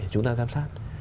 chúng ta giám sát